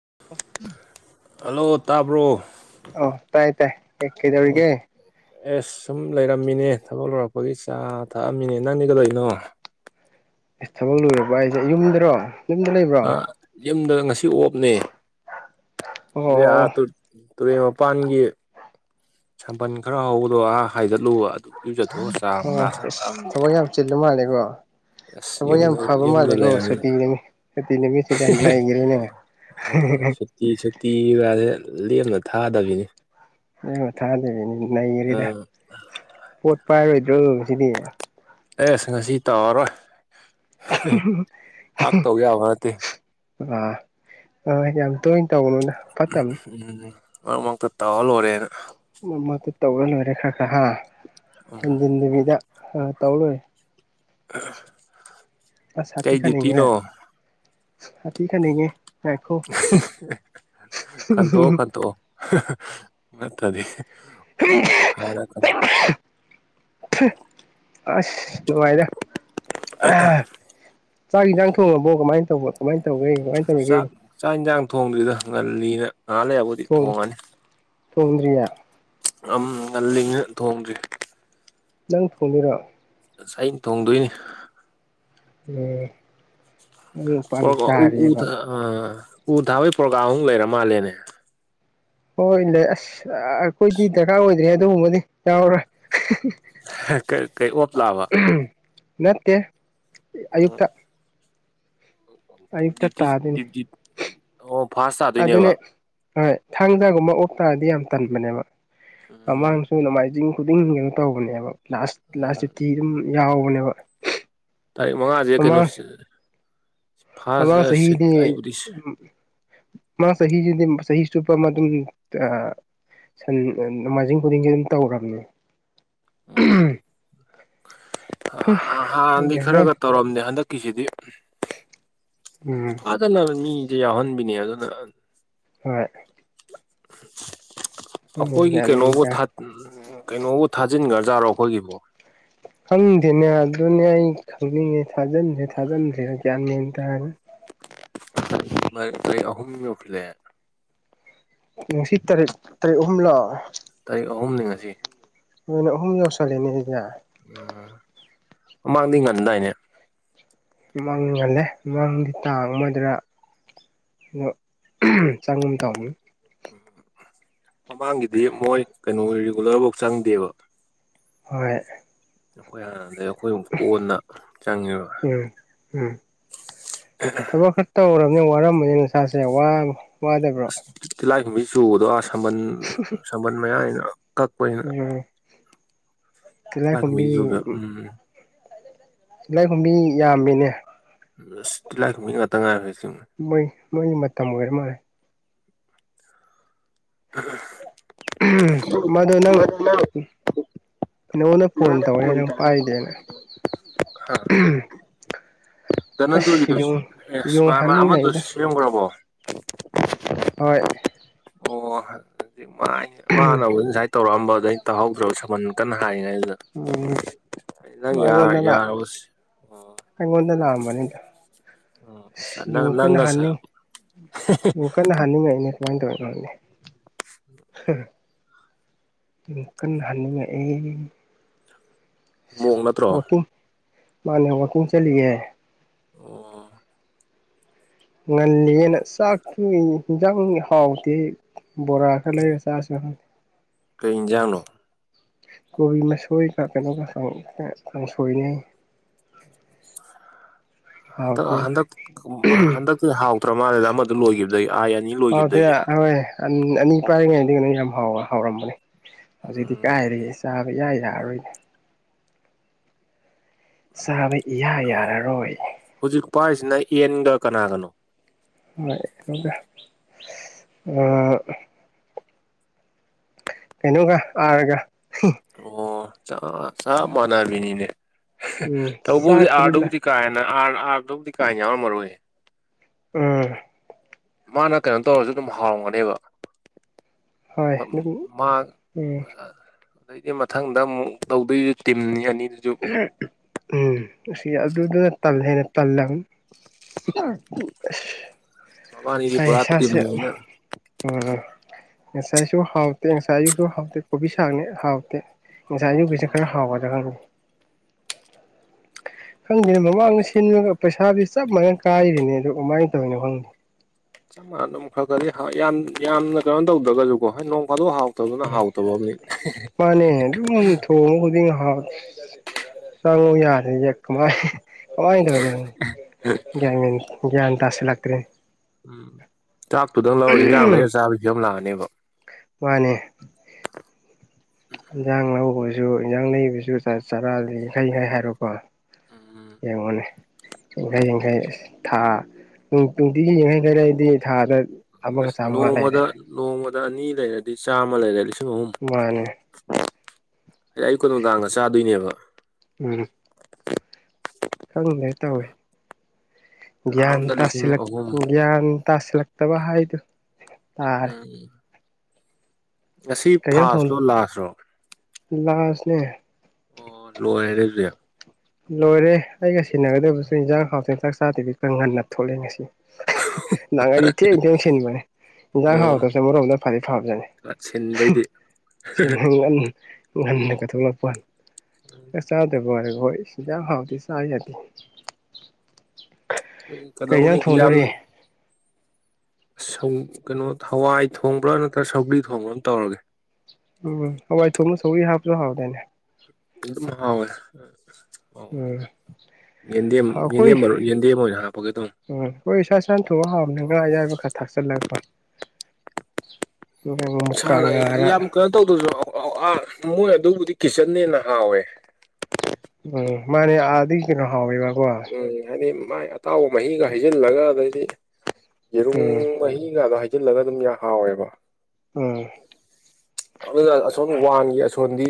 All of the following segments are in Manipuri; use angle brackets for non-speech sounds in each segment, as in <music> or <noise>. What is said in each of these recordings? <inaudible> ꯍꯜꯂꯣ ꯇꯥꯕ꯭ꯔꯣ ꯑꯣ ꯇꯥꯏ ꯇꯥꯏ ꯌꯦ ꯑꯣ ꯀꯗꯧꯔꯤꯒ ꯑꯦꯁ ꯁꯨꯝ ꯂꯩꯔꯝꯃꯤꯅꯦ ꯊꯕꯛ ꯂꯔꯛꯄꯒꯤ ꯆꯥ ꯊꯛꯑꯝꯃꯤꯅꯦ ꯅꯪꯅꯤꯒ ꯂꯣꯏꯅꯣ ꯑꯦꯁ ꯊꯕꯛ ꯂꯨꯔꯕ ꯑꯩꯁꯦ ꯌꯨꯝꯗ꯭ꯔꯣ ꯑ ꯌꯨꯝꯗ ꯉꯁꯤ ꯑꯣꯞꯅꯦ ꯑ ꯑꯣ ꯑꯥ ꯇꯨ ꯇꯨꯔꯦꯟ ꯃꯄꯥꯟꯒꯤ ꯁꯝꯄꯜ ꯈꯔ ꯍꯧꯕꯗꯣ ꯑ ꯍꯥꯏꯗꯠꯂꯨꯕ ꯑꯗꯨ ꯏꯔꯨꯖꯊꯣꯛꯑ ꯆꯥ ꯑꯃ ꯑꯣ ꯒ꯭ꯂꯥꯁ ꯑꯃ ꯊꯛꯑꯝꯒꯦ ꯊꯕꯛ ꯌꯥꯝ ꯆꯤꯜꯂꯨ ꯃꯥꯜꯂꯦꯀꯣ ꯑꯁ ꯊꯕꯛ ꯌꯥꯝ ꯌꯨꯝꯗ ꯐꯕ ꯌꯨꯝꯗ ꯃꯥꯜꯂꯦꯀꯣ ꯂꯩꯔꯕꯅꯤꯅ ꯁꯇꯤ ꯅꯨ ꯁꯇꯤ ꯅꯨꯃꯤꯠꯁꯤꯗ ꯅꯥꯈ꯭ꯔꯦꯅꯦ ꯑ ꯁꯨꯇꯤ ꯁꯨꯇꯤꯒꯁꯦ ꯂꯦꯝꯅ ꯊꯥꯗꯕꯤꯅꯤ ꯑꯣ ꯊꯥꯗꯅꯦ ꯅꯩꯔꯦꯗ ꯑꯥ ꯄꯣꯠ ꯄꯥꯏꯔꯣꯏꯗ꯭ꯔꯣ ꯁꯤꯗꯤ ꯑꯦꯁ ꯉꯁꯤ ꯇꯥꯔꯔꯣꯏ ꯄꯥꯛ ꯇꯧ ꯌꯥꯕ ꯅꯠꯇꯦ ꯑꯥ ꯑ ꯌꯥꯝ ꯇꯣꯏꯅ ꯇꯧꯕꯅꯣꯗ ꯎ ꯎꯝ ꯃꯔꯛ ꯃꯔꯛꯇ ꯇꯧꯍꯜꯂꯣꯏꯣꯔꯦꯅ ꯃꯃꯛꯇ ꯇꯧꯔ ꯂꯣꯏꯔꯦ ꯈꯔ ꯈꯔ ꯍꯥ ꯎꯝ ꯍꯦꯟꯖꯤꯟ ꯅꯨꯕꯤꯗ ꯍꯥ ꯇꯧꯦ ꯑ ꯁꯥꯇꯤ ꯀꯩ ꯀ ꯍꯥꯏ ꯗ꯭ꯌꯨꯇꯤꯅꯣ ꯍꯥ ꯊꯤ ꯈꯅꯤꯉꯦ ꯀꯟꯊ ꯀꯟꯊ ꯅꯠꯇꯗꯤ ꯍꯥ ꯔ ꯑꯁ ꯅꯨꯡꯉꯥꯏꯗ ꯆꯥꯛ ꯌꯦꯟꯁꯥꯡ ꯊꯣꯡꯉꯕꯣ ꯀꯃꯥꯏꯅ ꯇꯧꯕ ꯀꯃꯥꯏꯅ ꯇꯧꯔꯤꯒꯦ ꯀꯃꯥꯏꯅ ꯇꯧꯔꯤꯒꯦ ꯊꯣꯡꯗꯨꯗ ꯉꯜꯂꯤꯅ ꯉꯍꯥꯥꯟ ꯂꯩꯔꯕꯨꯗꯤ ꯊꯣꯡꯉꯅꯤ ꯇꯣꯗ꯭ꯌꯥ ꯑꯝ ꯉꯜꯂꯤꯉ ꯊꯣꯡꯗ꯭ꯔꯤ ꯅꯪ ꯊꯣꯡꯅꯔꯣ ꯑꯁ ꯑꯩꯅ ꯊꯣꯡꯗꯣꯏꯅꯤ <inaudible> ꯄꯥꯜꯂꯤ ꯎ ꯇꯥꯔꯦꯕ ꯑ ꯎ ꯊꯥꯕꯩ ꯄ꯭ꯔꯣꯒꯥ꯭ꯔꯝ ꯑꯨ ꯂꯩꯔ ꯃꯥꯜꯂꯦꯅꯦ ꯍꯣꯏ ꯂꯩ ꯑꯁ ꯑꯩꯈꯣꯏꯗꯤ ꯗꯔꯀꯥꯔ ꯑꯣꯏꯗ꯭ꯔꯦ ꯑꯗꯨꯒꯨꯝꯕꯗꯤ ꯌꯥꯎꯔꯣꯏ ꯀꯩ ꯑꯣꯞ ꯂꯥꯛꯑꯕ ꯅꯠꯇꯦ ꯎꯝ ꯑꯌꯨꯛꯇ ꯑꯩꯛꯇ ꯗ꯭ꯌꯨꯇꯤ ꯇꯥꯗꯅꯦꯅꯤ ꯗ꯭ꯌꯨꯇꯤ ꯑꯣ ꯐꯥꯁ ꯑꯗꯨꯗꯅꯦ ꯇꯥꯗꯣꯏꯅꯦꯕ ꯍ ꯊꯥꯡꯖꯥꯒꯨꯝꯕ ꯑꯣꯞ ꯇꯥꯔꯗꯤ ꯌꯥꯝ ꯇꯟꯕꯅꯦꯕ ꯎꯝ ꯃꯃꯥꯡꯁꯨ ꯅꯣꯡꯃꯥꯏꯖꯤꯡ ꯈꯨꯗꯤꯡ ꯀꯩꯅꯣ ꯇꯧꯕꯅꯦꯕ ꯂꯥꯁ ꯂꯥꯁ ꯨꯇꯤ ꯑꯗꯨꯝ ꯌꯥꯎꯕꯅꯦꯕ ꯇꯥꯔꯤꯛ ꯃꯉꯥꯁꯦ ꯀꯩꯅꯣꯁ ꯐꯂ ꯁꯍꯤꯅꯦ ꯑꯩꯕꯨꯗꯤ ꯎ ꯃꯥ ꯆꯍꯤꯍꯤꯗꯤ ꯁꯍꯤ ꯆꯨꯞꯄ ꯑꯗꯨꯝ ꯁꯟ ꯅꯣꯡꯃꯥꯏꯖꯤꯡ ꯈꯨꯗꯤꯡꯒꯤ ꯑꯗꯨꯝ ꯇꯧꯈꯕꯅꯦ ꯎꯝ ꯍꯥꯟꯅꯗꯤ ꯈꯪꯗꯦꯗ ꯈꯔꯒ ꯇꯧꯔꯝꯅꯦ ꯍꯟꯗꯛꯀꯤꯁꯤꯗꯤ ꯎꯝ ꯐꯖꯅ ꯃꯤꯁꯦ ꯌꯥꯎꯍꯟꯕꯤꯅꯤ ꯑꯗꯨꯅ ꯍꯣꯏ ꯈꯪꯗꯦ ꯑꯩꯈꯣꯏꯒꯤ ꯒ꯭ꯌꯥꯟ ꯃꯦꯟ ꯀꯩꯅꯣꯕꯨ ꯇꯥ ꯀꯩꯅꯣꯕꯨ ꯊꯥꯖꯤꯟꯒ꯭ꯔꯖꯥꯔꯣ ꯑꯩꯈꯣꯏꯒꯤꯕꯨ ꯈꯪꯗꯦꯅꯦ ꯑꯗꯨꯅꯦ ꯑꯩ ꯈꯪꯅꯤꯡꯉꯦ ꯊꯥꯖꯤꯟꯗꯁ꯭ꯔꯦ ꯊꯥꯖꯤꯟꯗ꯭ꯔꯦꯅ ꯒꯌꯥꯅꯦ ꯇꯥꯔꯦ ꯑꯩ ꯑꯍꯨꯝ ꯌꯧꯁꯤꯂꯑꯦ ꯎ ꯁꯤꯠ ꯇꯔꯦꯛ ꯇꯔꯦ ꯍꯨꯝꯂ ꯇꯥꯔꯤꯛ ꯑꯍꯨꯝꯅꯤ ꯉ ꯑꯁꯤ ꯃꯅꯍꯨꯝ ꯌꯧꯁꯂꯅꯦ ꯍꯥꯏ ꯎꯝ ꯃꯃꯥꯡꯗꯤ ꯉꯟꯗꯥꯏꯅꯦ ꯃꯪꯍꯜꯂꯦ ꯃꯪꯗꯤ ꯇꯥꯡ ꯑꯃꯗꯨꯅ ꯑ ꯆꯥꯡꯒ ꯊ ꯃꯃꯥꯡꯒꯤꯗꯤ ꯃꯣꯏ ꯀꯩꯅꯣ ꯔꯤꯒꯨꯂꯔꯐꯧ ꯆꯪꯗꯦꯕ ꯍꯣꯏ ꯈꯣꯏ ꯍ ꯑꯩꯈꯣꯏ ꯑꯃꯨꯛ ꯀꯣꯟꯅ ꯆꯪꯉꯤꯕ ꯎꯝ ꯎꯝ ꯅꯅ ꯋꯥꯔꯝꯕꯅꯤ ꯅꯁꯥꯁꯦ ꯋꯥꯗꯕ꯭ꯔꯣ ꯇꯤꯂꯥꯏ ꯈꯨꯝꯕꯤ ꯆꯨꯕꯗꯣ ꯑꯥ ꯁꯝꯕꯟ ꯁꯝꯕꯜ ꯃꯌꯥꯁꯤꯅ ꯀꯛꯄꯅ ꯎꯝ ꯇꯤꯂꯥꯏꯈꯨꯝꯕꯤ ꯎꯝ ꯇꯤꯂꯥꯏꯈꯨꯝꯕꯤ ꯌꯥꯝꯃꯤꯅꯦ ꯑꯇꯤ ꯂꯥꯏꯈꯨꯝ ꯃꯤ ꯉꯥꯛꯇ ꯉꯥꯏꯔꯣꯏꯁꯦ ꯃꯣꯏ ꯃꯣꯏ ꯃꯇꯝ ꯑꯣꯏꯔ ꯃꯥꯜꯂꯦ ꯃꯗꯣ ꯅꯪ ꯅꯉꯣꯟꯗ ꯃ ꯐꯣꯟ ꯇꯧꯔꯦ ꯅꯪ ꯄꯥꯏꯗꯦꯅ ꯑ ꯑꯁ ꯅꯟꯖꯣꯏꯒꯤꯗꯨ ꯌꯨꯡ ꯑꯦ ꯌꯨꯡ ꯑꯃꯗꯨ ꯍꯥꯟꯅꯤꯡꯉꯛꯏꯗ ꯁꯦꯝꯈ꯭ꯔꯕꯣ ꯍꯣꯏ ꯑꯣ ꯍꯧꯖꯤ ꯃꯥ ꯃꯥꯅꯕ ꯉꯨꯥꯏꯅ ꯇꯧꯔꯛꯑꯝꯕ ꯑꯗꯩꯅ ꯇꯧꯍꯧꯗ꯭ꯔꯕ ꯁꯃꯟ ꯀꯟꯅ ꯍꯥꯏꯔꯤ ꯎꯝꯉꯗꯅ ꯌꯥꯔꯕ ꯑꯣ ꯑꯉꯣꯗꯅ ꯑꯁ ꯑꯣ ꯅꯪ ꯌꯨꯝ ꯀꯟꯅ ꯅꯪꯒ ꯍꯥꯏꯅꯤꯡꯉꯤ ꯌꯨꯝ ꯀꯟꯅ ꯍꯥꯏꯅꯤꯡꯉꯥꯏ ꯑꯩꯅ ꯋꯥ ꯇ ꯑꯣꯏꯅꯤ ꯌ ꯀꯟꯅ ꯍꯅꯤꯡꯉꯛꯑꯦ ꯃꯑꯣ ꯅꯠꯇ꯭ꯔꯣ ꯃꯥꯅꯦ ꯋꯥꯀꯤꯡ ꯆꯂꯤꯒꯦ ꯑꯣ ꯉꯜꯂꯤꯌꯦꯦꯅ ꯆꯥꯛꯇꯨ ꯌꯦꯟꯖꯥꯡ ꯍꯥꯎꯇꯦ ꯕꯣꯔꯥ ꯈꯔ ꯂꯩꯔꯦ ꯆꯥꯔꯁꯨ ꯀꯩꯖꯥꯡꯅꯣ ꯀꯣꯕꯤ ꯃꯁꯣꯏꯒ ꯀꯩꯅꯣꯒ ꯀꯥꯡꯪꯁꯣꯏꯅꯦꯩ <inaudible> ꯍꯟꯗꯛ ꯍꯟꯗꯛ ꯍꯟꯗꯛꯇꯤ ꯍꯥꯎꯇ꯭ꯔ ꯃꯥꯜꯂꯦꯗ ꯑꯃꯗ ꯂꯣꯏꯈꯤꯕ ꯍꯗ ꯍꯣꯏ ꯑꯅꯤ ꯄꯥꯏꯔꯤꯉꯩꯗꯒꯤ ꯀꯩꯅꯣ ꯌꯥꯝ ꯍꯥꯎꯔ ꯍꯥꯎꯔꯝꯕꯅꯦ ꯍꯧꯖꯤꯛꯇꯤ ꯎꯝ ꯀꯥꯏꯔꯦꯆꯥ ꯍꯣꯏ ꯌꯥꯏ ꯌꯥꯥꯛꯑꯔꯣꯏꯅꯦ ꯆꯥꯕ ꯏꯍ ꯌꯥꯔꯔꯣꯏ ꯎꯄꯥꯁꯤꯅ ꯌꯦꯟꯗ ꯀꯅꯥꯒꯅꯣ ꯍ ꯑ ꯀꯩꯅꯣꯒ ꯑꯔꯒ ꯑꯣ ꯆꯞ ꯃꯥꯟꯅꯕꯤꯅꯤꯅꯦ ꯎꯝ ꯊꯧꯕꯕꯨꯗꯤ ꯆꯥꯛꯄꯨꯗꯤ ꯂ ꯑꯥꯔꯗꯨꯕꯨꯗꯤ ꯀꯥ ꯍꯦꯅ ꯑꯥꯔ ꯑꯥꯗꯕꯨꯗꯤ ꯀꯥꯏ ꯌꯥꯝꯎ ꯃꯔꯨꯏꯦ ꯑ ꯃꯥꯅ ꯀꯩꯅꯣ ꯇꯧꯔꯁꯨ ꯑꯗꯨꯝ ꯍꯥꯎꯔꯝꯒꯅꯦꯕ ꯍꯣꯏ ꯑꯗꯨꯝ ꯃꯥ ꯎꯝ ꯑꯗꯗꯤ ꯃꯊꯪꯗ ꯑꯃꯨꯛ ꯂꯧꯧꯗꯣꯏꯁ ꯇꯤꯝꯅꯤ ꯑꯅꯤ ꯎꯝ ꯑꯁꯤ ꯑꯗꯨꯗꯨꯅ ꯇꯝ ꯍꯥꯏꯅ ꯄꯜꯂ ꯃꯕꯥꯅꯤꯗꯤ ꯄꯨꯔꯥ ꯑꯩꯁꯥꯁꯦ ꯇꯤꯝꯅꯤꯅ ꯎꯝ ꯉꯁꯥꯏꯁꯨ ꯍꯥꯎꯇꯦ ꯉꯁꯥꯏꯁꯨꯨꯁꯨ ꯍꯥꯎꯇꯦ ꯀꯣꯕꯤ ꯁꯥꯡꯅꯦ ꯍꯥꯎꯇꯦ ꯉꯥꯏ ꯄꯩꯁ ꯈꯔ ꯍꯥꯎꯕꯒ <inaudible> <inaudible> ꯈꯪꯗꯦꯅ ꯃꯃꯥꯡꯗ ꯁꯤꯟꯂꯒ ꯄꯩꯁꯥꯗꯤ ꯆꯞ ꯃꯥꯟꯅ ꯀꯥꯏꯔꯤꯅꯤ ꯑꯗꯨ ꯀꯃꯥꯏꯅ ꯇꯧꯔꯤꯅꯣ ꯈꯪꯗꯦ ꯆꯞ ꯃꯥꯟꯅ ꯈꯔ ꯈꯗꯤ ꯌꯥꯝꯅ ꯀꯩꯅꯣ ꯇꯧꯗ꯭ꯔꯒꯁꯨꯀꯣ ꯍꯣꯏ ꯅꯣꯡ ꯐꯥꯗꯣꯛ ꯍꯥꯎꯦ ꯃꯥꯅꯦ ꯑꯗꯨꯝ ꯊꯣꯡꯉ ꯈꯨꯗꯤꯡ ꯍꯥ ꯁꯉꯨ ꯌꯥꯗ ꯌꯦ ꯀ ꯃꯥꯥꯏ ꯍ ꯑꯗꯨꯅꯨꯡ ꯭ꯌꯥꯟ ꯇꯁ ꯂꯥꯥꯛ꯭ꯔ ꯇꯗꯪ ꯂꯧꯔ ꯏꯟꯖꯥꯡ ꯂꯩꯔ ꯆꯥꯕꯤꯁꯨ ꯌꯥꯝ ꯂꯥꯛꯑꯅꯦꯕ ꯃꯥꯅꯦ ꯏꯟꯖꯥꯡ ꯂꯧꯕꯁꯨ ꯏꯟꯖꯥꯡ ꯂꯩꯩꯕꯁꯨ ꯆꯥꯔꯥꯗꯤ ꯌꯥꯡꯈꯩ ꯌꯥꯡꯈꯩ ꯍꯥꯏꯔꯣꯀꯣ ꯎꯝ ꯌꯦꯡꯉꯣꯅꯦ ꯌꯥꯡꯈꯩ ꯌꯥꯡꯈꯩ ꯑꯁ ꯊꯥ ꯅꯨꯡꯇꯤꯒꯤ ꯌꯥꯡꯈꯩ ꯈꯔꯗꯤ ꯊꯥꯗ ꯑꯃꯒ ꯑꯁ ꯆꯥꯝꯃꯉꯥ ꯂꯩꯔꯦ ꯅꯣꯡꯃꯗ ꯅꯣꯡꯃꯗ ꯑꯅꯤ ꯂꯩꯔꯗꯤ ꯆꯥꯝꯃ ꯂꯩꯔꯗꯤ ꯃꯥꯅꯦ ꯑꯩ ꯑꯩ ꯀ ꯅꯨꯡꯗꯥꯡꯒ ꯆꯥꯗꯣꯏꯅꯦꯕ ꯈꯪꯗ꯭ꯔꯦ ꯇꯧꯋꯦ ꯊꯥ ꯒ꯭ꯌꯥꯟ ꯑꯝꯗ ꯇꯥꯁꯤ ꯂꯤꯁꯤꯡ ꯑꯍꯨꯝ ꯒ꯭ꯌꯥꯟ ꯇꯥꯁꯤꯂꯛ ꯇꯕ ꯍꯥꯏꯥꯏꯗꯣ ꯎꯝ ꯉꯁꯤ ꯀꯩ ꯏꯟꯖꯥꯡ ꯊꯣꯡ ꯐꯥꯥꯁꯂꯣ ꯂꯥꯁꯂꯣ ꯂꯥꯁꯅꯦ ꯑꯣ ꯂꯣ ꯑꯦꯔꯁꯨ ꯂꯣꯏꯔꯦ ꯑꯩꯒ ꯁꯤꯦꯟꯅꯒꯗꯕꯁꯨ ꯏꯟꯖꯥꯡ ꯍꯥꯎꯇꯦ ꯆꯥꯛ ꯆꯥꯗꯕꯤ ꯀꯪ ꯍꯟꯅ ꯊꯣꯛꯂꯦ ꯉꯁꯤ ꯅꯍꯥꯟꯈꯩꯗꯤ ꯊꯦꯡ ꯇꯦꯡꯁꯤꯟꯕꯅꯦ ꯏꯟꯁꯥꯡ ꯑꯣ ꯍꯥꯎꯇꯕꯁꯦ ꯃꯣꯔꯣꯝꯗ ꯐꯗꯤ ꯐꯕꯖꯅꯤ ꯁꯤꯟꯕꯩꯗꯤ ꯁꯤꯒꯜ ꯉꯟꯅꯒꯊꯣꯛꯂꯄ ꯆꯥꯛ ꯆꯥꯗꯕ ꯑꯣꯏꯔꯒ ꯍꯣꯏ ꯌꯥ ꯍꯥꯎꯗꯤ ꯁꯥꯏ ꯌꯥ ꯎ ꯀꯗꯧꯅꯤ ꯀ ꯁ ꯀꯩꯅꯣ ꯍꯋꯥꯏ ꯊꯣꯡꯕ꯭ꯔꯥ ꯅꯠꯇ꯭ꯔ ꯁꯧꯕꯒ꯭ꯔꯤ ꯊꯣꯡꯕ꯭ꯔꯥ ꯑꯃ ꯇꯧꯔꯒꯦ ꯎꯝ ꯍꯋꯥꯏ ꯊꯣꯡꯅ ꯁꯧꯔꯤ ꯍꯥꯞꯁꯨ ꯍꯥꯎꯗꯥꯅꯦ ꯃꯥꯑꯣꯦ ꯎꯝ ꯑꯩꯈꯣꯏ ꯌꯦꯟꯗꯦꯝ ꯃꯔꯨꯞ ꯌꯦꯟꯗꯦꯝ ꯑꯣꯏꯅ ꯍꯥꯞꯄꯒꯦ ꯇꯧꯅꯤ ꯎꯝ ꯑꯩꯈꯣꯏ ꯏꯁꯥ ꯏꯁꯥ ꯊꯣꯛꯣꯛ ꯍꯥꯝꯅꯤ ꯉꯥꯏ ꯌꯥꯕ ꯊꯥꯛꯆꯜꯂ ꯁꯥꯅꯛꯑꯦ ꯌꯥꯝ ꯀꯩꯅꯣ ꯇꯧꯗꯁꯨ ꯑꯥ ꯃꯣꯏ ꯑꯗꯨꯕꯨꯗꯤ ꯀꯤꯠꯆꯟꯅꯦꯅ ꯍꯥꯎꯋꯦ ꯎꯝ ꯃꯅꯤ ꯑꯗꯤ ꯀꯩꯅꯣ ꯍ ꯏ ꯎꯝ ꯍꯥꯏꯗꯤ ꯃꯥꯏ ꯑꯇꯥꯎꯕ ꯃꯍꯤꯒ ꯍꯩꯖꯤꯜꯂꯒ ꯑꯗꯩꯗꯤ ꯌꯦꯔꯨꯝ ꯎꯝ ꯃꯍꯤꯒꯥꯗꯣ ꯍꯩꯖꯤꯜꯂꯒ ꯑꯗꯨꯝ ꯌꯥꯝ ꯍꯥꯎꯋꯦꯕ ꯎꯝ ꯑꯗꯨꯅ ꯑꯁꯣꯟ ꯋꯥꯟꯒꯤ ꯑꯁꯣꯟꯗꯤ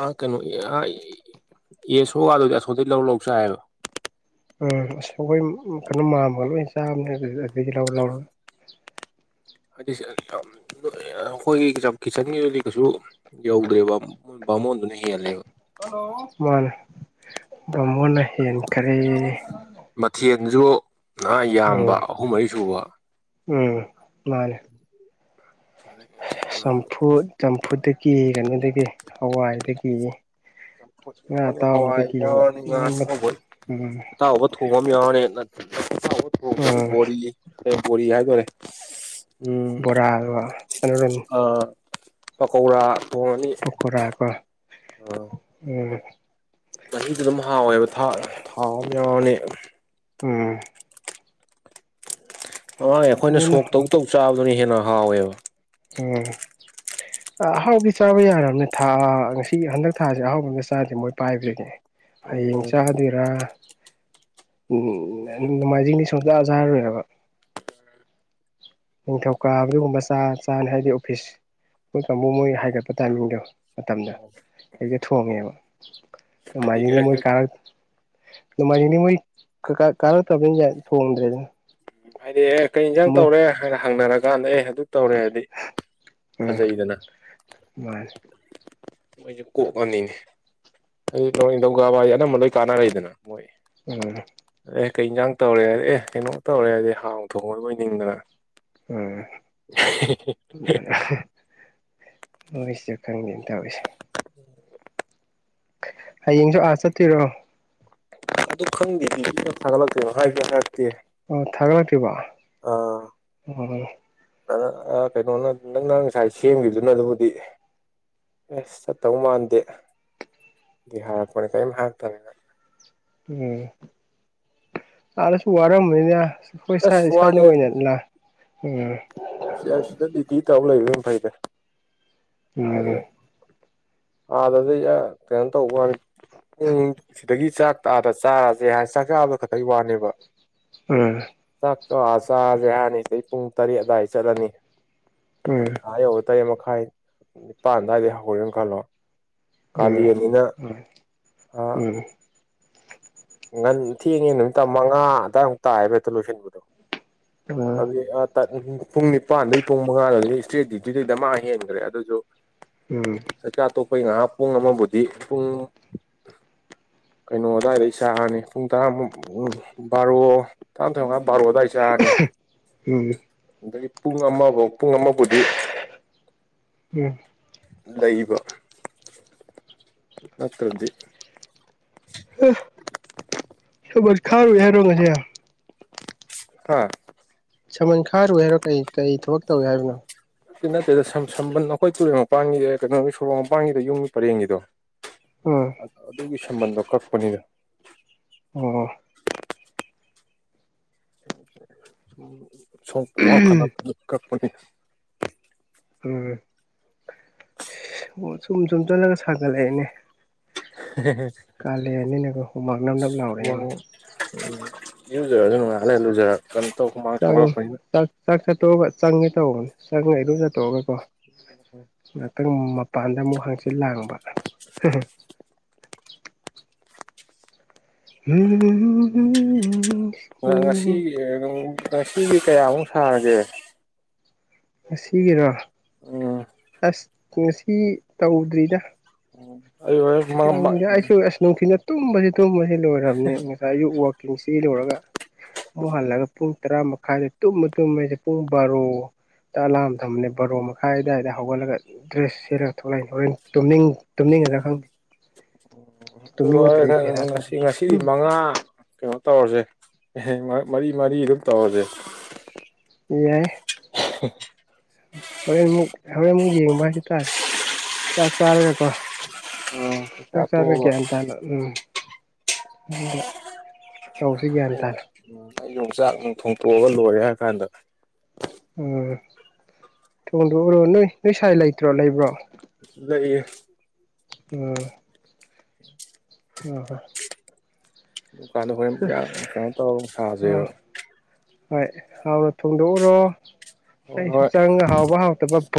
ꯑꯥ ꯀꯩꯅꯣ ꯑ ꯑꯦ ꯁꯣꯒꯥꯗꯗꯤ ꯑꯁꯣꯝꯗꯒꯤꯩ ꯂꯧꯔ ꯂꯧ ꯆꯥꯏꯌꯦꯕ ꯎꯝ ꯑꯁ ꯑꯩꯈꯣꯏ ꯀꯩꯅꯣ ꯃꯝꯃꯒ ꯂꯣꯏ ꯆꯥꯕꯅꯦ ꯑꯗꯨꯗꯤ ꯂꯧꯔ ꯂꯧꯔ ꯍꯥꯏꯗꯤ ꯑꯩꯈꯣꯏꯒꯤ ꯀꯤꯠꯆꯟꯒꯤ ꯑꯣꯏꯅꯗꯤ ꯀꯩꯁꯨ ꯌꯧꯗ꯭ꯔꯦꯕ ꯃꯣꯗꯨꯅ ꯍꯂꯦꯣ ꯃꯥꯅꯦ ꯕꯝꯕꯣꯅ ꯍꯦꯟ ꯈꯔꯦ ꯅꯖ ꯅꯍꯥ ꯎꯝ ꯌꯥꯝꯕ ꯑꯍꯨꯝ ꯃꯔꯤ ꯁꯨꯕ ꯎꯝ ꯃꯥꯅꯦ ꯆꯝꯐꯨ ꯆꯝꯐꯨꯗꯒꯤ ꯀꯩꯅꯣꯗꯒꯤ ꯍꯋꯥꯏꯗꯒꯤ ꯆꯝꯐꯣꯠ ꯉꯥ ꯌꯥꯅꯤ ꯍꯋꯥꯏ ꯑꯇꯥꯎꯕꯗꯒꯤ ꯌꯥꯅꯤ ꯉꯥ ꯎꯝ ꯑꯇꯥꯎꯕ ꯑꯇꯥꯎꯕ ꯊꯣꯡ ꯑꯃ ꯌꯥꯅꯤ ꯊꯣꯡꯁꯨ ꯎꯝ ꯕꯣꯔꯤꯅꯤ ꯕꯣꯔꯤ ꯍꯥꯏꯇꯥꯔꯦ ꯣꯔꯥ ꯑꯦꯟ ꯄꯀꯧꯔꯥ ꯄꯈꯔꯥꯒ ꯑ ꯎꯝ ꯃꯍꯁꯨ ꯑꯗꯨꯝ ꯍꯥꯎꯋꯦꯕ ꯊꯥꯎ ꯑꯃ ꯌꯥꯎꯕꯅꯦ ꯎꯝ ꯑꯃꯥꯡꯦ ꯑꯩꯈꯣꯏꯅ ꯑꯗꯨꯅ ꯁꯣꯛ ꯇꯧ ꯇꯧ ꯆꯥꯕꯗꯨꯅ ꯍꯦꯟꯅ ꯍꯥꯎꯋꯦꯕ ꯎꯝ ꯑꯍꯥꯎꯗꯤ ꯆꯥꯕ ꯌꯥꯔꯕꯅꯦ ꯊꯥ ꯉꯁꯤ ꯍꯟꯗꯛ ꯊꯥꯁꯦ ꯑꯍꯥꯎꯕ ꯑꯃ ꯆꯥꯗꯦ ꯃꯣꯏ ꯄꯥꯏꯕꯅꯦ ꯍꯌꯦꯡ ꯎꯝ ꯆꯥꯗꯣꯏꯔꯥ ꯎꯝ ꯅꯣꯡꯃꯥꯏꯖꯤꯡꯅꯤ ꯁꯣ ꯆꯥꯖꯥꯔꯣꯏꯔꯕ ꯅꯤꯡꯊꯧꯀꯥꯕ ꯑꯗꯨꯒꯨꯝꯕ ꯆꯥ ꯆꯥꯅꯤ ꯍꯥꯏꯗꯤ ꯑꯣꯐꯤꯁ ꯑꯩꯣꯏ ꯀꯥꯡꯕꯨ ꯃꯣꯏ ꯍꯥꯏꯒꯠꯄ ꯇꯥꯏꯃꯤꯡꯗꯣ ꯃꯇꯝꯗ ꯍꯦꯛꯁꯦ ꯊꯣꯡꯉꯦꯕ ꯍꯥꯏꯗꯤ ꯃꯥꯏꯖꯤꯗꯤ ꯃꯣꯏ ꯀꯥꯔꯛ ꯅꯃꯥꯏꯅꯤ ꯃꯣꯏ ꯀꯥꯔꯛꯇꯕꯅꯤꯅ ꯊꯣꯡꯗ꯭ꯔꯦꯗꯅ ꯍꯥꯏꯗꯤ ꯑꯦ ꯀꯩ ꯏꯟꯁꯥꯡ ꯃꯣꯏ ꯇꯧꯔꯦ ꯍꯥꯏꯅ ꯍꯪꯅꯔꯀꯥꯟꯗ ꯑꯦ ꯑꯗꯨ ꯇꯧꯔꯦ ꯍꯥꯏꯗꯤ ꯎꯝ ꯐꯖꯩꯗꯅ ꯃꯥꯅꯦ ꯃꯣꯏꯁꯨ ꯀꯣꯛꯑꯅꯤꯅꯦ ꯑꯗꯨ ꯅꯤꯡꯊꯧꯒꯕꯥ ꯍꯥꯏꯁꯦ ꯑꯅꯝꯕ ꯂꯣꯏ ꯀꯥꯟꯅꯔꯦꯗꯅ ꯃꯣꯏ ꯎꯝ ꯑꯦ ꯀꯩ ꯌꯦꯟꯖꯥꯡ ꯇꯧꯔꯦ ꯍꯥꯏꯔꯗꯤ ꯑꯦ ꯀꯩꯅꯣ ꯇꯧꯔꯦ ꯍꯥꯏꯔꯗꯤ ꯍꯥꯎ ꯊꯣꯡꯉ ꯂꯣꯏꯅꯤꯡꯗꯅ ꯎꯝ ꯍꯣꯏ ꯁꯤꯁꯨ ꯈꯪꯗꯦꯅ ꯇꯧꯔꯤꯁꯦ <inaudible> ꯍꯌꯦꯡꯁꯨ ꯑꯥ ꯆꯠꯇꯔꯣ ꯑꯗꯨ ꯑꯗꯨ ꯈꯪ ꯊ ꯂꯦꯕ ꯍꯥꯏ ꯀꯌꯥ ꯊꯥꯛꯇꯦ ꯑꯣ ꯊꯒꯂ ꯀꯕ ꯎ ꯀꯩꯅꯣꯅ ꯅꯪꯅ ꯉꯁꯥꯏ ꯁꯦꯝꯈꯤꯕꯗꯨꯅ ꯑꯗꯨꯕꯨꯗꯤ ꯑꯦꯁ ꯆꯠꯇꯧ ꯃꯥꯟꯗꯦ ꯑꯗꯨꯗꯤ ꯍꯥꯏꯔꯛꯄꯅꯦ ꯀꯔꯤꯝ ꯍꯥꯏꯔꯛꯇꯕꯅꯤꯅ ꯎꯝ ꯑꯔꯁꯨꯨ ꯋꯥꯔ ꯃꯣꯏꯅ ꯈꯣꯏ ꯁ ꯑꯁ ꯁ꯭ꯋꯥꯏꯅ ꯑꯣꯏꯅꯂ ꯎꯝ ꯁꯤ ꯁꯤꯗ ꯗꯤꯗꯤꯤ ꯇꯕ ꯂꯩꯕ ꯑꯗꯨ ꯌꯥꯝ ꯐꯩꯗꯦ ꯑꯒꯦ ꯑꯗꯗꯤ ꯇꯦꯟ ꯇ ꯎ ꯄꯨꯡ ꯁꯤꯗꯒꯤ ꯆꯥꯛ ꯇꯥꯗ ꯆꯥꯔꯁꯦ ꯍꯥꯏ ꯆꯥꯛ ꯆꯥꯕꯗ ꯈꯛꯇꯪ ꯋꯥꯅꯦꯕ ꯎꯝ ꯍ ꯆꯥꯔꯁꯦ ꯍꯥꯏꯔꯅꯤꯁꯤꯗ ꯄꯨꯡ ꯇꯔꯦꯠ ꯑꯗꯨꯋꯥꯏꯗ ꯆꯠꯂꯅꯤ ꯎꯝ ꯎꯝ ꯊꯥ ꯌꯧ ꯇꯔꯦꯠ ꯃꯈꯥꯏ ꯅꯤꯄꯥꯟ ꯑꯗꯨꯋꯥꯏꯗꯩ ꯍꯧꯔꯦꯅ ꯈꯜꯂꯣ ꯀꯥꯂꯤ ꯎꯝ ꯑꯅꯤꯅ ꯎꯝ ꯉ ꯊꯦꯡꯉꯦ ꯅꯨꯃꯤꯠ ꯇ ꯃꯉꯥ ꯑꯗꯨꯋꯥꯏꯃꯨꯛ ꯇꯥ ꯍꯥꯏꯐꯦꯛꯇ ꯂꯣꯏꯁꯤꯟꯕꯗꯣ ꯑꯗꯨꯗꯤ ꯄꯨꯡ ꯅꯤꯄꯥꯟꯗꯩ ꯄꯨꯡ ꯃꯉꯥꯗꯤ ꯏꯁꯇ꯭ꯔꯦꯠ ꯗ꯭ꯌꯨꯇꯤꯗꯩꯗ ꯃꯥ ꯍꯦꯟꯈ꯭ꯔꯦ ꯑꯗꯨꯁꯨ ꯎꯝ ꯑꯩꯈꯣꯏ ꯉꯥꯏꯍꯥꯛ ꯄꯨꯡ ꯑꯃꯕꯨꯗꯤ ꯄꯨꯡ ꯀꯩꯅꯣ ꯑꯗꯨꯋꯥꯏꯗ ꯆꯔꯅꯤ ꯄꯨꯡ ꯇꯔꯥꯃꯨꯛ ꯕꯥꯔꯣ ꯇꯔꯥ ꯇꯔꯃꯉ ꯕꯥꯔꯑꯣꯗꯥ ꯍꯥꯏꯆꯥꯅꯤ ꯃꯥꯅꯦ ꯑꯗꯒꯤ ꯄꯨꯡ ꯑꯃꯐꯥꯎ ꯄꯨꯡ ꯑꯃꯕꯨꯗꯤ ꯎꯝ ꯂꯩꯩꯕ ꯅꯠꯇ꯭ꯔꯗꯤ ꯁꯁ ꯈꯔ ꯌꯥꯔꯣ ꯉꯁ ꯍꯥꯥ ꯁꯃꯟ ꯈꯥꯔꯨ ꯍꯥꯏꯔꯣ ꯀꯩ ꯀꯩ ꯊꯕꯛ ꯇꯧꯏꯤ ꯍꯥꯏꯕꯅꯣ ꯅꯠꯇꯦ ꯅꯠꯇꯦꯗ ꯁ ꯁꯝꯕꯟ ꯑꯩꯈꯣꯏ ꯇꯨꯔꯦꯜ ꯃꯄꯥꯟꯒꯤꯗ ꯀꯩꯅꯣꯒꯤ ꯁꯣꯔꯣꯛ ꯃꯄꯥꯟꯒꯤꯗ ꯌꯨꯝꯒꯤ ꯄꯔꯦꯡꯒꯤꯗꯣ ꯎꯝ ꯑ ꯑꯗꯨꯒꯤ ꯁꯝꯕꯜꯗꯣ ꯀꯛꯄꯅꯤꯅ ꯑꯣ ꯁ ꯋꯥ ꯈꯥꯟꯗ ꯀꯄꯅꯤ ꯎꯝ ꯁꯨꯝ ꯁꯨꯝ ꯆꯜꯂꯒ ꯁꯥꯒꯠꯂꯛꯦꯅꯦ ꯀꯂ ꯑꯅꯤꯅꯦ ꯍꯣꯃꯥꯡꯅꯕꯅꯕ ꯂꯥꯎꯔꯦꯅꯦ ꯏꯨꯖꯔ ꯑꯗꯨ ꯅꯨꯡꯉꯥꯏꯜꯂꯦꯂꯨꯖꯔ ꯀꯩꯅꯣ ꯇꯧ ꯈꯨꯃꯥꯡ ꯊꯣꯛꯒꯠꯂꯛꯄꯅꯤꯅ ꯆꯪꯉꯦ ꯇꯧꯕꯧꯕꯅꯦ ꯆꯪꯉꯦ ꯑꯩ ꯑꯗꯨꯝ ꯆꯠꯇꯣꯛꯑꯒꯀꯣ ꯉꯍꯥꯛꯇꯪ ꯃꯄꯥꯟꯗ ꯑꯃꯨꯛ ꯍꯪꯆꯤ ꯂꯥꯡꯕ ꯃꯤꯀꯣ ꯉꯁꯤꯗꯤ ꯀꯌꯥꯃꯨꯛ ꯁꯥꯔꯒꯦ ꯉꯁꯤꯒꯤꯔꯣ ꯎꯝ ꯑꯁ ꯉꯁꯤ ꯇꯧꯗ꯭ꯔꯤꯗ ꯑꯩ ꯍꯣꯔꯦꯟ ꯅꯪ ꯌꯥꯁꯨꯁ ꯅꯅꯨꯡꯊꯅ ꯑꯗꯨꯕꯁꯤ ꯂꯣꯏꯔꯕꯅꯦ ꯉꯁꯥꯏ ꯑꯛ ꯋꯥꯛꯀꯤꯡꯁꯤ ꯂꯣꯏꯔꯒ ꯑꯃꯨꯛ ꯍꯜꯂꯒ ꯄꯨꯡ ꯇꯔꯥꯃꯨꯛ ꯥꯏꯗꯦ ꯇꯨꯝꯃ ꯇꯨꯝꯃꯁꯦ ꯄꯨꯡ ꯕꯥꯔꯣ ꯇꯂꯥ ꯊꯝꯕꯅꯦ ꯕꯔꯣ ꯃꯈꯥꯏ ꯑꯗꯨꯋꯥꯏꯗ ꯍꯧꯒꯠꯂꯒ ꯗ꯭ꯔꯦꯁ ꯁꯤꯔꯒ ꯊꯣꯛꯂꯛꯅꯤ ꯍꯣꯔꯦꯟꯅꯤꯡ ꯈꯪꯗꯤ ꯎ ꯑꯗꯨꯒ ꯕꯦꯔꯥ ꯀꯥꯅꯤ ꯉꯁꯤ ꯉꯁꯤꯗꯤ ꯎꯝ ꯃꯉꯥ ꯀꯩꯅꯣ ꯇꯧꯔꯁꯦ ꯃꯔꯤ ꯃꯔꯤ ꯑꯗꯨꯝ ꯇꯧꯔꯁꯦ ꯌꯥꯏ ꯍꯨꯛ ꯍ ꯑꯃꯨꯛ ꯌꯦ ꯃꯒꯤ ꯇ ꯆꯥꯛ ꯆꯔꯒ ꯀꯣ ꯆꯥꯛꯆꯥ ꯔ ꯇꯣꯛꯑꯒ ꯀ ꯇꯅꯣ ꯎꯝ ꯏ ꯑ ꯎ ꯑꯩ ꯌꯣꯡꯆꯥꯛ ꯅꯨꯡ ꯊꯣꯡꯇꯣꯛꯑꯒ ꯂꯣꯏꯔꯦ ꯍꯥꯏꯔ ꯀꯥꯟꯗ ꯎꯝ ꯊꯣꯡꯗꯣꯛꯎꯔꯣ ꯅꯣꯏ ꯅꯣꯏ ꯁꯋꯥꯏ ꯂꯩꯇ꯭ꯔꯣ ꯂꯩꯕ꯭ꯔꯣ ꯂꯩꯌꯦ ꯎꯝ ꯑꯣ ꯍꯣ ꯗꯨꯀꯥꯟꯗ ꯍꯣꯔꯦꯟ ꯌꯥꯝ ꯀꯩꯅꯣ ꯇꯧꯔꯒ ꯑꯃꯛ ꯍꯣꯏ ꯊꯁꯦꯕ ꯍꯣꯏ ꯍꯥꯎꯅ ꯊꯣꯡꯗꯣꯛꯎꯔꯣ ꯍꯣꯏ ꯑꯩꯁꯨ ꯍꯣꯏ ꯆꯪꯉ ꯍꯥꯎꯕ ꯍꯥꯎꯇꯕ